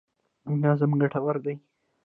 نظم ګټور دی.